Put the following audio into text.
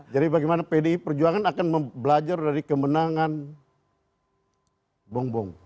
jadi bagaimana pdi perjuangan akan belajar dari kemenangan bong bong